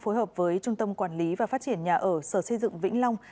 phối hợp với trung tâm quản lý và phát triển nhà ở sở xây dựng vĩnh long